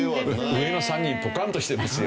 上の３人ポカンとしてますよ。